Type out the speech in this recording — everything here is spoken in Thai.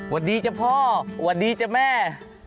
สวัสดีจ้ะพ่อสวัสดีจ้ะแม่